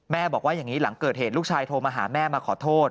บอกว่าอย่างนี้หลังเกิดเหตุลูกชายโทรมาหาแม่มาขอโทษ